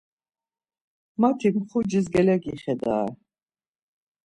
Mati mxucis gelegixedare.